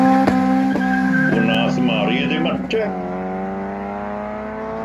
Wnaeth Mary ddim ateb.